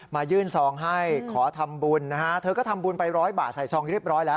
ยื่นซองให้ขอทำบุญนะฮะเธอก็ทำบุญไปร้อยบาทใส่ซองเรียบร้อยแล้ว